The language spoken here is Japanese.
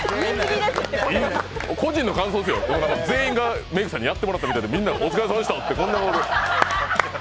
個人の感想ですよ、全員がメークさんにやってもらったみたいにみんな、お疲れさまでしたってこんな顔で。